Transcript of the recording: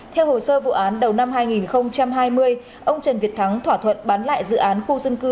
theo hồ sơ vụ án đầu năm hai nghìn hai mươi ông trần việt thắng thỏa thuận bán lại dự án khu dân cư